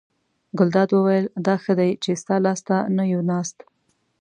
ګلداد وویل: دا ښه دی چې ستا لاس ته نه یو ناست.